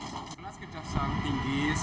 kepada kejaksaan tinggi dki jakarta